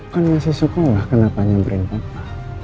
kan masih sekolah kenapa nyamperin papa